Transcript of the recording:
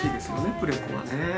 プレコはね。